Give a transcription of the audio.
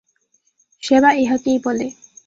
সেবা ইহাকেই বলে।